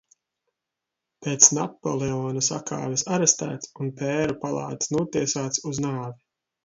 Pēc Napoleona sakāves arestēts un pēru palātas notiesāts uz nāvi.